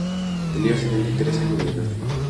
Tenía setenta y tres años de edad.